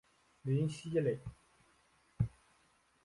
林熙蕾。